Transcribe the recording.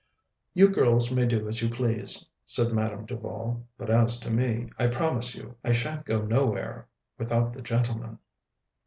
"You girls may do as you please," said Madame Duval, "but as to me, I promise you, I sha'n't go nowhere without the gentlemen."